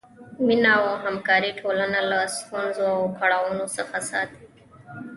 مینه او همکاري ټولنه له ستونزو او کړاوونو څخه ساتي.